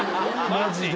マジで。